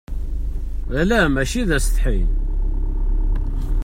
Ala mačči d asetḥi.